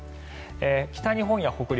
北日本や北陸